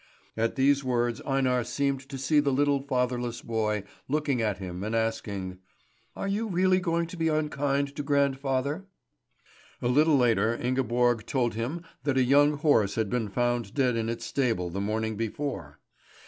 At these words, Einar seemed to see the little fatherless boy looking at him and asking: "Are you really going to be unkind to grandfather?" A little later Ingeborg told him that a young horse had been found dead in its stable the morning before.